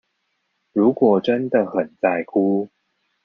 如果真的很在乎